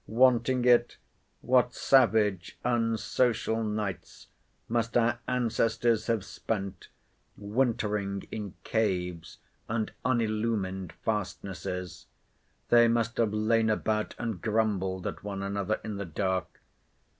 Wanting it, what savage unsocial nights must our ancestors have spent, wintering in caves and unillumined fastnesses! They must have lain about and grumbled at one another in the dark.